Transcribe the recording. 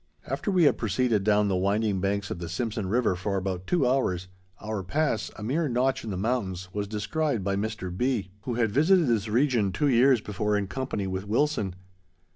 After we had proceeded down the winding banks of the Simpson River for about two hours, our pass, a mere notch in the mountains, was descried by Mr. B., who had visited this region two years before in company with Wilson.